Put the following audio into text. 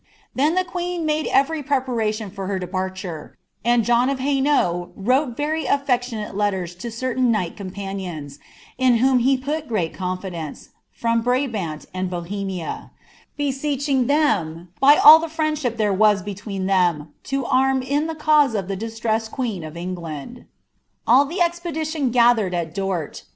Then the queen made rvery preparation for her depanure, and John of Hainsuli wrote very ■j&ctionnte lettera to ceitain knight companions, in whom he put great ronlidcnre, from Brabant and Bohemia; ■'beseeching them, by all the fnfndjhip there was between Ihem, to arm in the cause of the distressed tjurrn of England."* All the expediiion gatheretl at Dort.